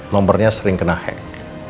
nomornya sering kena hack